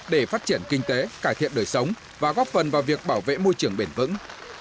để phát triển kinh tế cải thiện đời sống và góp phần vào việc bảo vệ môi trường bền vững